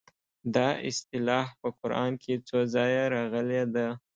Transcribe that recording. دا اصطلاح په قران کې څو ځایه راغلې ده.